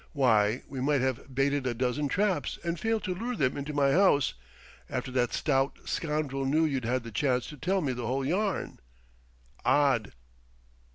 Why, we might have baited a dozen traps and failed to lure them into my house, after that stout scoundrel knew you'd had the chance to tell me the whole yarn... Odd!"